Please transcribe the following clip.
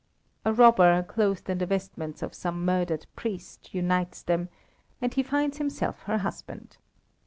A robber, clothed in the vestments of some murdered priest, unites them, and he finds himself her husband.